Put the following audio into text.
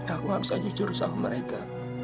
aku nggak bisa jujur sama mereka